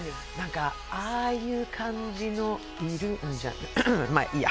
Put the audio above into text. ああいう感じのいるん、まぁ、いいや。